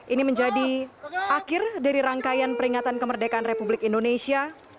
ini menjadi akhir dari rangkaian peringatan kemerdekaan republik indonesia